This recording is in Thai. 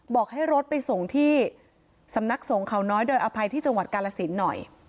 บอกให้รถไปส่งที่สำนักสงฆ์เขาน้อยโดยอภัยที่จังหวัดกาลสินหน่อย